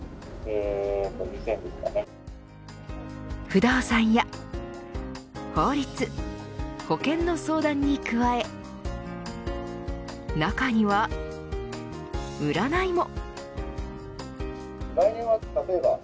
不動産や法律、保険の相談に加え中には占いも。